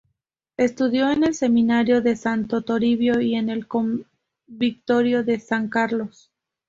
Estudió en el Seminario de Santo Toribio y en el Convictorio de San Carlos.